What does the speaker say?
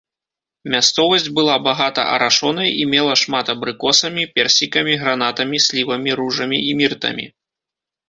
Мясцовасць была багата арашонай і мела шмат абрыкосамі, персікамі, гранатамі, слівамі, ружамі і міртамі.